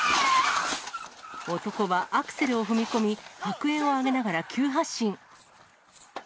男はアクセルを踏み込み、白煙を上げながら急発進。